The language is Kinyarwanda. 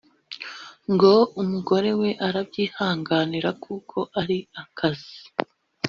ngo umugore we arabyihanganira kuko ari akazi